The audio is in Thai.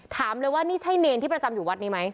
ถามเลยว่านี่ใช่เนรที่ประจำอยู่วัดนี้ไหม